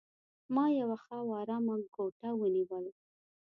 ما یوه ښه او آرامه کوټه ونیول.